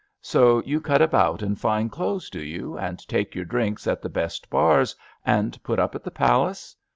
So you cut about in fine clothes, do you, and take your drinks at the best bars and put up at the Palace?